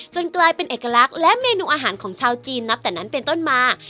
กลายเป็นเอกลักษณ์และเมนูอาหารของชาวจีนนับแต่นั้นเป็นต้นมา